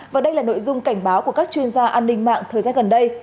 và đây là nội dung cảnh báo của các chuyên gia an ninh mạng thời gian gần đây